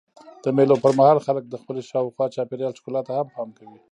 د مېلو پر مهال خلک د خپلي شاوخوا چاپېریال ښکلا ته هم پام کوي.